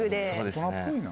大人っぽいな。